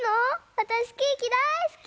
わたしケーキだいすき！